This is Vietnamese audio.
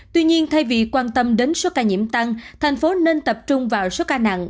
tuy nhiên thay vì quan tâm đến số ca nhiễm tăng thành phố nên tập trung vào số ca nặng